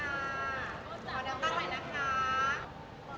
ขอมองกล้องลายเสือบขนาดนี้นะคะ